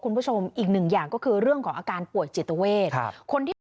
คุณผู้ชมอีกหนึ่งอย่างก็คือเรื่องของอาการป่วยจิตเวทครับคนที่เป็น